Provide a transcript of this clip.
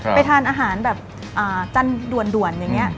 ไปทานอาหารแบบจันทร์ด่วนอย่างนี้